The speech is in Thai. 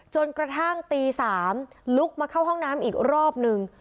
จนกระทั่งตี๓ลุกมาเข้าห้องน้ำอีกรอบนึง